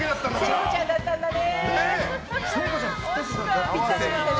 聖子ちゃんだったんだね。